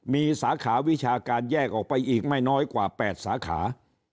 มีสาขาวิชาการแยกออกไปอีกไม่น้อยกว่า๘สาขา